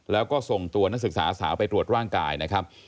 แล้วก็ส่งตัวนักศึกษาสาวไปตรวจร่างกายนะครับ